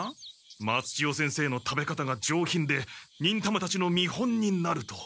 「松千代先生の食べ方が上品で忍たまたちの見本になる」と。